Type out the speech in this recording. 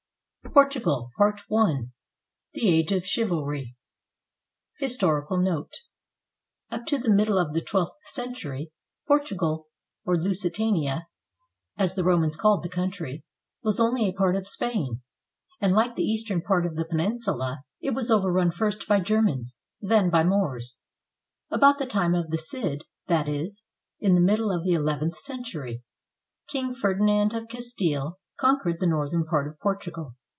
PORTUGAL I THE AGE OF CHIVALRY HISTORICAL NOTE Up to the middle of the twelfth century, Portugal, or Lusitania, as the Romans called the country, was only a part of Spain, and, like the eastern part of the peninsula, it was overrun first by Germans, then by Moors. About the time of the Cid, that is, in the middle of the eleventh cen tury. King Ferdinand of Castile conquered the northern part of Portugal.